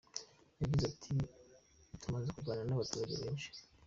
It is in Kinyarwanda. Yagize ati “Tumaze kuganira n’abaturage benshi.